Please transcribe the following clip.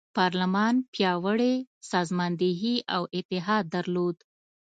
پارلمان پیاوړې سازماندهي او اتحاد درلود.